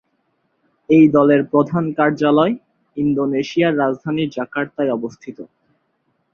এই দলের প্রধান কার্যালয় ইন্দোনেশিয়ার রাজধানী জাকার্তায় অবস্থিত।